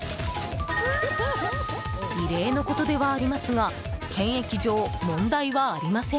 異例のことではありますが検疫上、問題はありません。